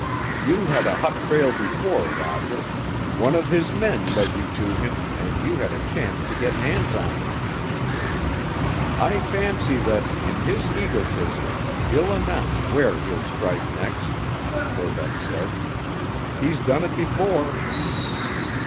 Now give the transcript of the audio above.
You had a hot trail before, Roger—one of his men led you to him and you had a chance to get hands on him." "I fancy that, in his egotism, he'll announce where he'll strike next," Verbeck said. "He's done it before."